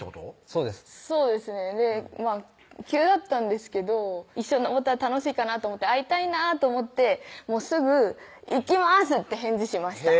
そうですそうですね急だったんですけど一緒に登ったら楽しいかな会いたいなと思ってすぐ「行きます」って返事しました